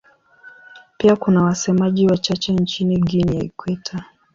Pia kuna wasemaji wachache nchini Guinea ya Ikweta.